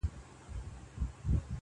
زوی یې پرانیستله خوله ویل بابکه-